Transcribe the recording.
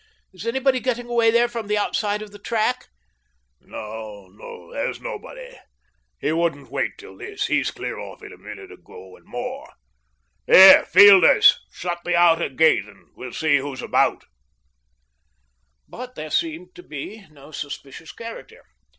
Is anybody getting away there from the outside of the track?" " No, there's nobody. He wouldn't wait till this ; he's clear off a minute ago and more. Here, Fielders ! Shut the outer gate, and we'll see who's about." '^AVALANCHE BICYCLE AND TYIiE CO., LTD:' 169 But there seemed to be no suspicious character.